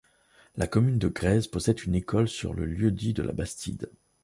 La commune de Grèzes possède une école sur le lieu-dit de La Bastide.